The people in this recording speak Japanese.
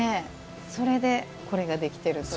それで、これができてるという。